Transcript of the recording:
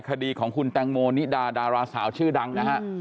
คดีของคุณแตงโมนิดาดาราสาวชื่อดังนะฮะ